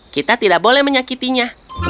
kita tidak boleh menyakitinya